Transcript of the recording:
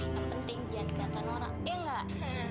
yang penting jangan dikenakan nora ya gak